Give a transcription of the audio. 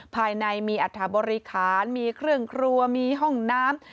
ภายในมีอัฐบริคารมีเครื่องครัวมีห้องน้ำ